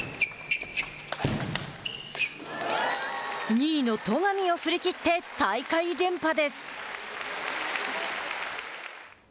２位の戸上を振り切って大会連覇です。